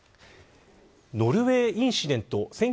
ノルウェー・インシデント